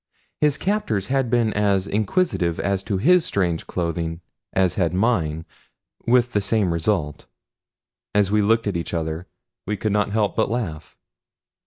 His captors had been as inquisitive as to his strange clothing as had mine, with the same result. As we looked at each other we could not help but laugh.